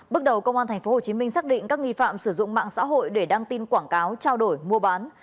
bước đầu công an tp hcm xác định các nghi phạm sử dụng mạng xã hội để đăng tin quảng cáo trao đổi mua bán